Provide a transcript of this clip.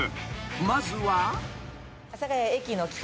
［まずは］